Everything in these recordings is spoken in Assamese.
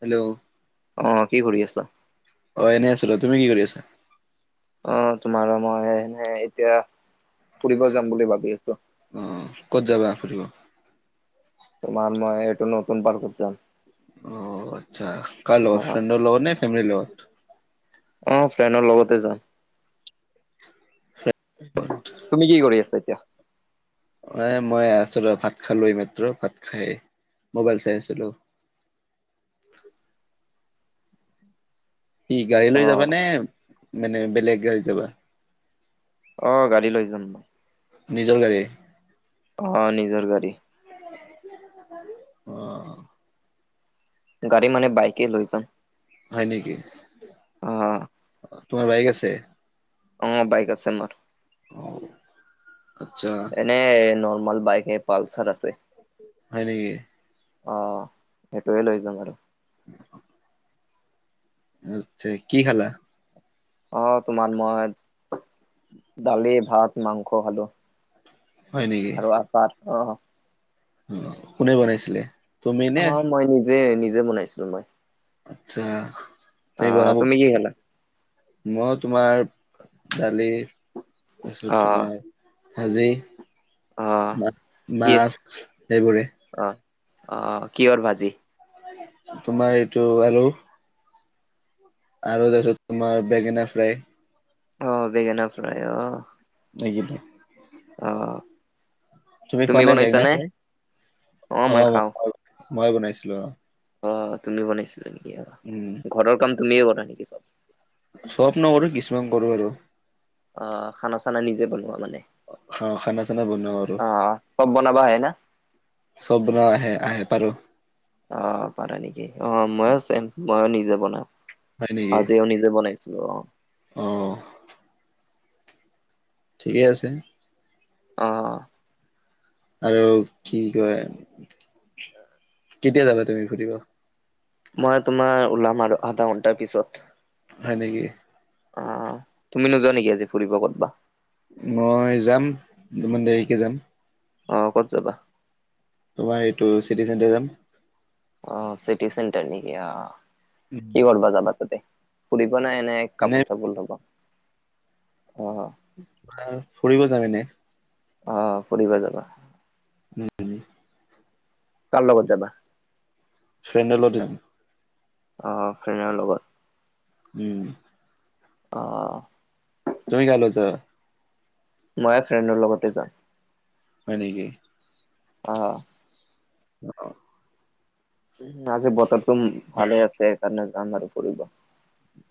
হেল্ল'। অ', কি কৰি আছা। অ', এনেই আছিলো, তুমি কি কৰি আছা। অ তোমাৰ মই এনে এতিয়া ফুৰিব যাম বুলি ভাবি আছোঁ। অ ক'ত যাবা ফুৰিব? তোমাৰ মই এইটো নতুন পাৰ্কত যাম। অ আচ্ছা কাৰ অ লগ'ত ফ্ৰেণ্ডৰ লগত নাই ফেমেলি লগত? অ ফ্ৰেনৰ লগতে যাম। তুমি কি কৰি আছা এতিয়া? এ মই আচলতে ভাত খালোৱে এই মাত্ৰ, ভাত খাই মোবাইল চাই আছিলো। কি গাড়ী অ লৈ যাবা নে মানে বেলেগ গাড়ীত যাবা? অ গাড়ী লৈ যাম। নিজৰ গাড়ী? অ নিজৰ গাড়ী। অ। গাড়ী মানে বাইকে লৈ যাম। হয় নেকি? অ তোমাৰ বাইক আছে? অ বাইক আছে ম'ৰ। আত্চ্ছা। এনে নৰ্মেল বাইকে পালচাৰ আছে। হয় নেকি? অ সেইটোৱে লৈ যাম আৰু। [inaudible] কি খালা? অ তোমাৰ মই দালি, ভাত, মাংস খালো। হয় নেকি আৰু আচাৰ অ। কোনে বনাইছিলে? তুমি অ নে মই নিজে, নিজে বনাইছিলো মই। আচ্ছা তুমি আহ বনাব কি খালা? মই তোমাৰ দালি তাছত অ তোমাৰ ভাজি, অ মা কি মাছ এইবোৰে। অ অ কিহৰ ভাজি? তোমাৰ এইটো এলো আৰু তাছত তোমাৰ বেঙেনা ফ্ৰাই। অ বেঙেনা ফ্ৰাই অ। [unintelligible] অ। তুমি খোৱা নে বেঙেনা নে ফ্ৰাই? অ মই খাওঁ মই বনাইছিলো অ। অ তুমি বনাইছিলা নেকি অ। উম। ঘৰৰ কাম তুমিয়ে কৰা নেকি চব? চব নকৰো কিছুমান কৰো আৰু। অ খানা চানা নিজে বনোৱা মানে? হা খানা চানা বনাও আৰু। অ চব বনাবা আহে না চব বনা আহে আহে পাৰো। অ পাৰা নেকি অ ময়ো চেম ময়ো নিজে বনাও। হয় নেকি আজিও নিজে বনাইছো অ। অ। ঠিকে আছে। অ অ। আৰু কি কয় কেতিয়া যাবা তুমি ফুৰিব? মই তোমাৰ ওলাম আৰু আধা ঘন্টাৰ পিছত। হয় নেকি? অ তুমি নোযোৱা নেকি আজি ফুৰিব ক'তবা? মই যাম, দুদিনমান দেৰিকে যাম। অ, ক'ত যাবা? তোমাৰ এইটো চিতি চেণ্টাৰ যাম। অ, চিটি চেণ্টাৰ নেকি! অ, কি ক'ৰব যাবা তুমি তাতে, ফুৰিব নে এনে? কাপোৰ-চাপোৰ লবা, অ। ফুৰিব যাম এনে। অ, ফুৰিব যাবা। [inaudible] কাৰ লগত যাবা? ফ্ৰেণ্ডৰ লগতে যাম। অ, ফ্ৰেনৰ লগত। উম। অ। তুমি কাৰ লগত যাবা? ময়ো ফ্ৰেণ্ডৰ লগতে যাম। হয় নেকি! অ। অ, অ। উম, আজি বতৰটো ভালে আছে, সেইকাৰণে যাম আৰু ফুৰিব।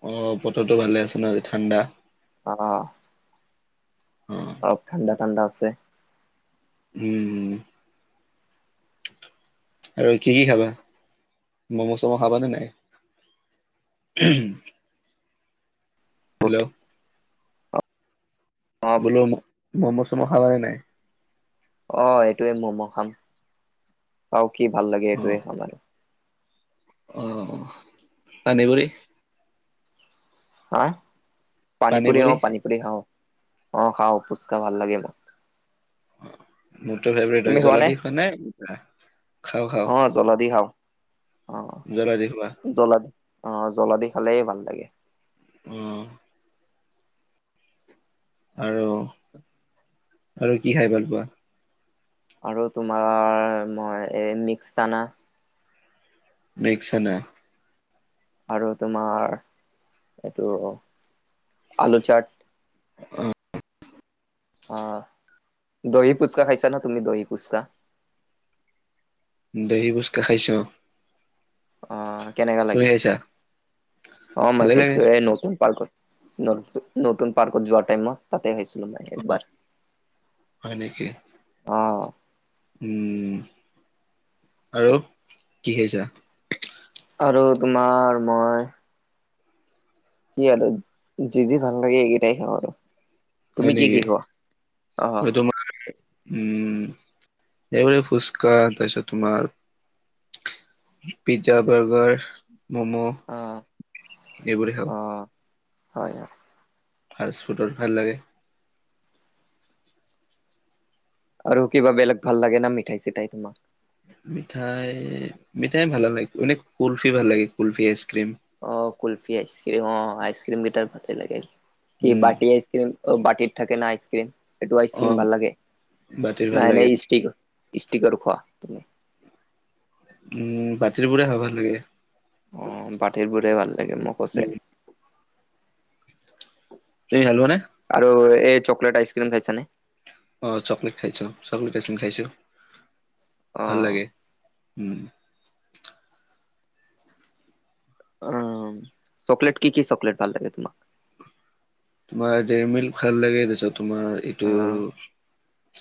অ, বতৰতো ভালে আছে ন, আজি ঠাণ্ডা। অ, অ', অলপ ঠাণ্ডা-ঠাণ্ডা আছে। উম, হুম। আৰু কি কি খাবা? ম'ম'-চ'ম' খাবা নে নাই? অ', হেল্ল' বোলো ম'ম'-চ'ম' খাবা নে নাই? অ, এইটোৱে ম'ম' খাম, আও কি ভাল লাগে অ', এইটোৱে খাম আৰু। অ, পানীপুৰি? হা! পানী পানীপুৰি, পুৰি অ, পানীপুৰি খাও। অ, খাও, ফুচকা ভাল লাগে মোৰ। মোৰতো ফেভৰেট হয়। জ্বলা দি খোৱা নে? খাওঁ, খাওঁ। অ, জ্বলা দি খাওঁ। অ। জ্বলা দি খোৱা। জ্বলা দি, অ, জ্বলা দি খালেই ভাল লাগে। উম। আৰু, আৰু কি খাই ভাল পোৱা? আৰু তোমাৰ, মই এ মিক্স চানা। মিক্স চানা। আৰু তোমাৰ এইটো আলু চাট। অ। অ, দহি পুচকা খাইছা ন, তুমি দহি পুচকা? দহি ফুচকা খাইছোঁ। অ, কেনেকা তুমি লাগে? খাইছা? অ, মই ভালে খাইছো, লাগে। এই নতুন পাৰ্কত। [unintelligible] নতুন পাৰ্কত যোৱাৰ টাইমত, তাতে খাইছিলো মই। অ', একবাৰ, হয় নেকি? অ। উম, আৰু কি খাইছা? আৰু তোমাৰ মই কি আৰু, যি যি ভাল লাগে এইকেইটাই খাওঁ আৰু। হয় তুমি কি নেকি কি খোৱা অ অ অ হয় মই তোমাৰ উম এবোৰ যে ফুচকা তাৰপিছত তোমাৰ পিজ্জা বাৰ্গাৰ ম'ম' এইবোৰে খাওঁ হয় হয় ফাৰ্ষ্ট ফুডৰ ভাল লাগে আৰু কিবা বেলেগ ভাল লাগে না মিঠাই চিঠাই তোমাৰ মিঠাই মিঠাই ভাল লাগে এনে কুলফি ভাল লাগে কুলফি আইচক্ৰীম অ কুল্ফি আইচক্ৰিম অ আইচক্ৰিম কেইটাৰ ভাত লাগে, কি উম বাতি আইচ ক্ৰীম অ বাটিৰ থাকে ন আইচক্ৰিম এইটো অ আইচক্ৰিম ভাল লাগে বাতিৰ ভাল নাই লাগে এনেই ষ্টিকৰ ষ্টিকৰ খোৱা তুমি উম বাতিৰি বোৰে খাওঁ ভাল লাগে অ বাটিৰ বোৰে ভাল লাগে মোকো ছে উম তুমি ভাল পোৱা নে? আৰু এই চকলেট আইচক্ৰীম খাইছা নে অ চকলেট খাইছো চকলেট আইচ্ৰীম খাইছো অ ভাল লাগে, উম অ চকলেট কি কি চকলেট ভাল লাগে তোমাক তোমাৰ ডেৰি মিল্ক ভাল লাগে তাৰপাছত তোমাৰ এইটো অ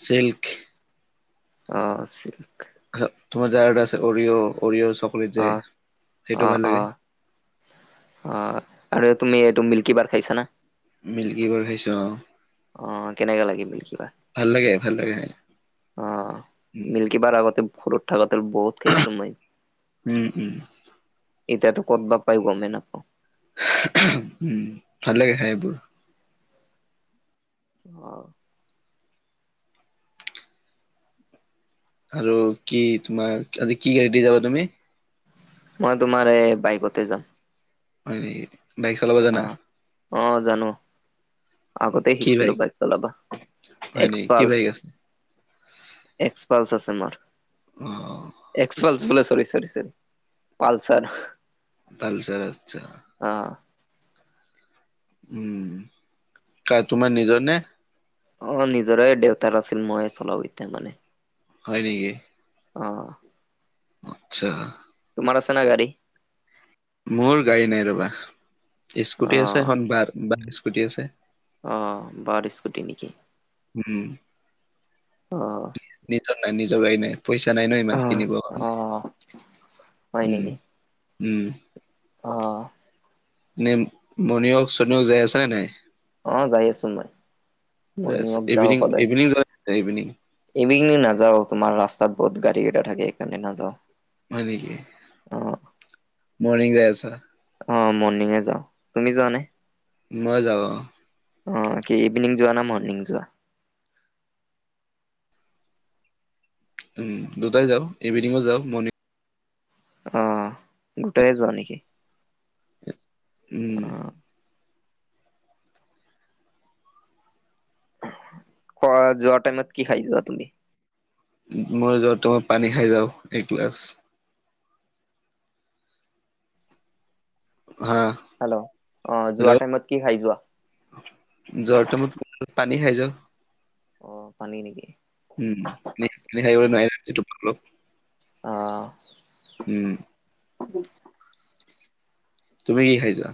চিল্ক অ চিল্ক তোমাৰ যাৰ এটা আছে অৰিঅ' অৰিঅ' চকলেট যে অ অ সেইটো ভাল অ লাগে অ আৰু তুমি এইটো মিল্কী বাৰ খাইছা না মিল্কী বাৰ খাইছোঁ অ অ কেনেকে লাগি মিল্কিবা ভাল লাগে ভাল লাগে একবাৰ আগতে ভৰৰ থাকোতেই বহুত খাইছিলো মই উম উম এতিয়াতো ক'ত বা পাই গমে নাপাওঁ উম ভাল লাগে খাই এইবোৰ অ আৰু কি তোমাৰ আজি কি গাড়ী দি যাবা তুমি মই তোমাৰ এই বাইকতে যাম হয় নেকি বাইক চলাব জানা অ' অ জানো আগতে শিকিছিলো বাইক চলাবা হয় এক্স নেকি কি পাল বাইক আছে এক্সপালছ আছে মোৰ অ এক্সপাল চৰি চৰি পালছাৰ পালচাৰ আচ্ছা অ উম কা তোমাৰ নিজৰ নে অ নিজৰে দেউতাৰ আছিল মইয়ে চলাও এতিয়া মানে হয় নেকি অ আচ্ছা তোমাৰ চছে না গডী মোৰ গাড়ী নাই ৰবা স্কুটি আছে অ' এখন বা বাৰ স্কুটি আছে অ বাৰ স্কুটি নেকি উম অ' নেটৱৰ্ক নাই নিজৰ নাই নিজৰ গাড়ী নাই। পইচা নাই ন' ইমান অ' কিনিব উম- অ' হয় নেকি উম। অ' নে ভনী হওঁক চুনু হওঁক যাই আছেনে নাই। অ' যাই আছো মই মৰ্ণিং ৱাক যাওঁ ইভিনিং সদায় ইভিনিং ইভিনিং। ইভিনিং নাযাওঁ তোমাৰ ৰাস্তাত বহুত গাড়ী কেইটা থাকে এইকাৰণে নাযাও। হয় নেকি অ' মৰ্নিং যাই আচা। অ' মৰ্ণিঙে যাওঁ তুমি যোৱানে? মই যাও অ'। অ' কি ইভিনিং যোৱা নে মৰ্নিং যোৱা? উম দুটাই যাওঁ ইভিনিঙো যাওঁ মৰ্নিং অ' দুটাই যোৱা নেকি? উম। উ [inaudible] কোৱা যোৱা টাইমত কি খাই যোৱা তুমি? মই যোৱা টাইমত পানী খাই যাওঁ এক গিলাচ। হা। হেল্ল অ যোৱা হেল্ল' টাইমত কি খাই যোৱা? যোৱাৰ টাইমত পানী খাই যাওঁ। অ' পানী নেকি? উম নোৱাৰি অ [unintelligible] অ' উম। তুমি কি খাই যোৱা?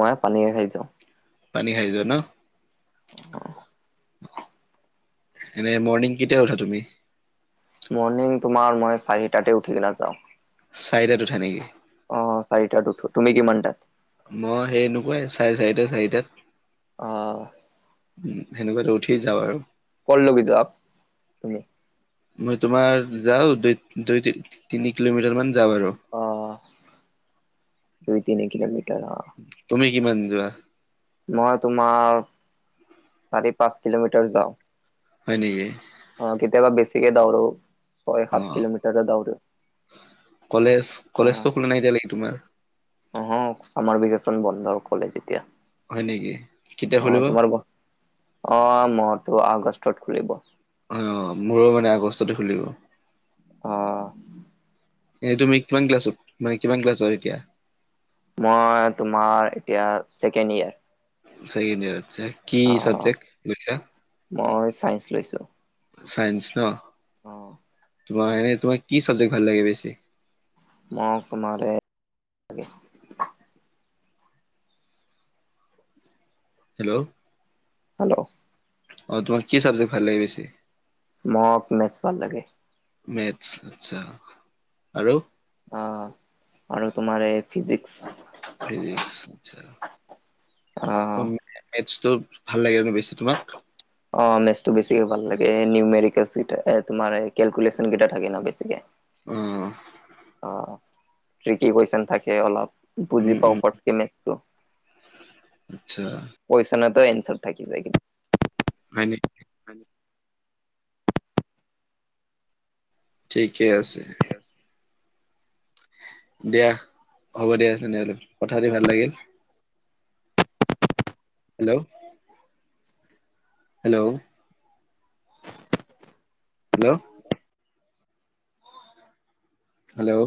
মই পানীৰে খাই যাওঁ। পানী খাই যোৱা ন? অ' এনে মৰ্ণিং কেতিয়া উঠা তুমি? মৰ্ণিং তোমাৰ মই চাৰিটাতে উঠি কিনা যাওঁ। চাৰিটাত উঠা নেকি? অ' চাৰিটাত উঠো, তুমি কিমানটাত? মই সেইনেকুৱাই চাৰে চাৰিটা চাৰিটাত। অ' উম সেনেকুৱাতে উঠি যাওঁ আৰু। কৰ লৈকে যাৱ? [inaudible] মই তোমাৰ যাওঁ দুই দুই তি তিনি কিলোমিটাৰ মান যাওঁ আৰু। অ' দুই তিনি কিলোমিটাৰ অ'। তুমি কিমান যোৱা? মই তোমাৰ চাৰি পাঁচ কিলোমিটাৰ যাওঁ। হয় নেকি? অ' কেতিয়াবা বেছিকে দৌৰো। ছয় অ সাত কিলোমিটাৰ দৌৰো। শুনা নাই এতিয়ালেকে তোমাৰ। অ' হ চামাৰ ভকেশচন বন্ধ কলেজ যেতিয়া। হয় নেকি কেতিয়া অ' খুলিব তোমাৰ ব অ' মৰতো আগষ্টত খুলিব। অ অঁ মোৰো মানে আগষ্টতে খুলিব। অঁ। এ তুমি কিমান ক্লাছত? মানে কিমান ক্লাছ হল এতিয়া? মই তোমাৰ এতিয়া ছেকেণ্ড ইয়েৰ। ছেকেণ্ড ইয়াৰ যে কি অ চাবজেক্ট লৈছা? মই চাইন্স চাইন্স ন? অঁ। তোমাৰ এনেই তোমাৰ কি চাবজেক্ট ভাল লাগে বেছি? মোক তোমাৰ এই হেল্ল। হেল্ল। অ তোমাৰ কি চাবজেক্ট ভাল লাগে বেছি? মোক মেচ ভাল লাগে। মেথছ আচ্ছা, আৰু? অঁ, আৰু তোমাৰ এ ফিজিক্স। ফিজিক্স আচ্ছা অ এজটোত ভাল লাগে ন বেছি তোমাক? অঁ, মেচটো বেছিকে ভাল লাগে, এ নিউমেৰিকেল চিত এ তোমাৰ কেলকুলেচন কেতা থাকে ন, বেছিকে। অঁ। অঁ, ট্ৰিকী কুৱেচন থাকে অলপ। বুজি উম, পাওঁ উম, ফটকে মেচটো। আচ্ছা কুৱেশনতো এনচাৰ থাকি যায়। হয় নে? ঠিকেই আছে। দিয়া হ'ব দিয়া তেনেহ'লে কথা পাতি ভাল লাগিল। হেল্ল। হেল্ল। হেল্ল। হেল্ল।